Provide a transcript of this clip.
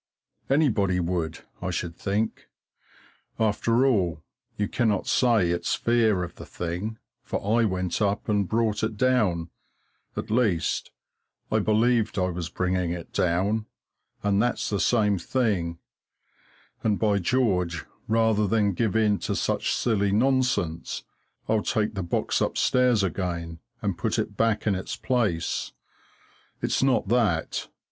Anybody would, I should think. After all, you cannot say that it's fear of the thing, for I went up and brought it down at least, I believed I was bringing it down, and that's the same thing, and by George, rather than give in to such silly nonsense, I'll take the box upstairs again and put it back in its place. It's not that.